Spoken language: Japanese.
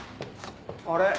あれ？